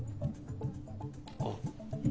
あっ。